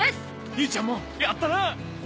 兄ちゃんもやったな！